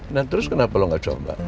nah terus kenapa lo gak coba